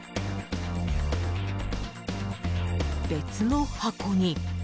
［別の箱に］